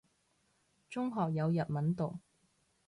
中學有日文讀